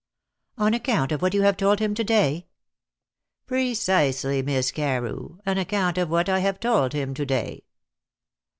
"On account of what you have told him to day?" "Precisely, Miss Carew; on account of what I have told him to day."